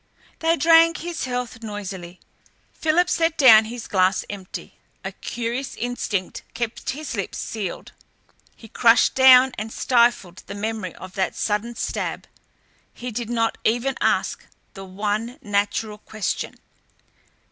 They drank his health noisily. Philip set down his glass empty. A curious instinct kept his lips sealed. He crushed down and stifled the memory of that sudden stab. He did not even ask the one natural question.